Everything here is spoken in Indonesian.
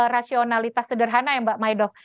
rasionalitas sederhana ya mbak maido